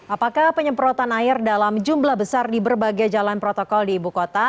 apakah penyemprotan air dalam jumlah besar di berbagai jalan protokol di ibu kota